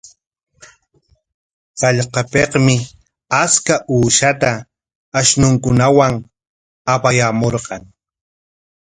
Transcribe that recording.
Hallqapikmi achka uqshata ashnunkunawan apayaamurqan.